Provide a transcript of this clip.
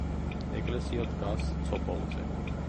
ეკლესია დგას ცოკოლზე.